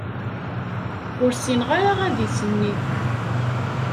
Ur ssineɣ ara adis-nni.